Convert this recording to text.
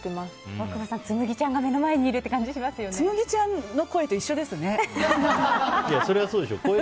大久保さん、紬ちゃんが目の前にいるっていう紬ちゃんの声と一緒ですね。